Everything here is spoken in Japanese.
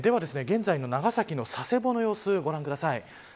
では現在の長崎の佐世保の様子をご覧ください。